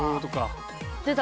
出た。